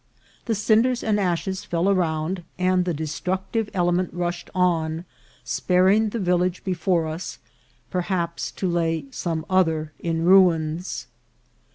The cinders and ashes fell around, and the destructive element rushed on, sparing the village before us, per haps to lay some other in ruins.